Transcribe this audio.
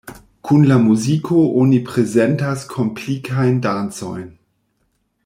Kun la muziko oni prezentas komplikajn dancojn.